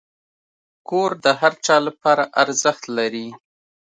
کور د هر چا لپاره ارزښت لري.